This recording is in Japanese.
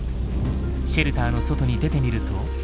シェルターの外に出てみると。